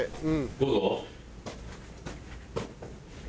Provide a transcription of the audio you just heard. どうぞ？